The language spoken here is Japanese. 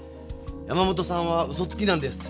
山本さんはうそつきなんです。